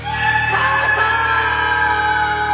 母さーん！！